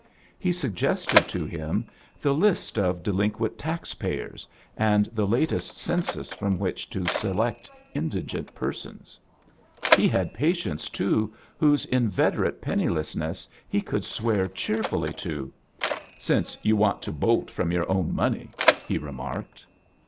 He suggested to him the list of delinquent A JOURNEY IN SEARCH OF CHRISTMAS taxpayers and the latest censuB from wbteh to select indigent persons. I& had patieats» toor whose htveterate penniless ness he could swear cheerfully to — "since you want to bolt from yotir own money,*' he remarked.